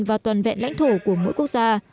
và toàn vẹn lãnh thổ của mỗi quốc gia